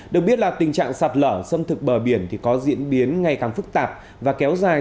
được biết là tình trạng sạt lở xâm thực bờ biển có diễn biến ngày càng phức tạp và kéo dài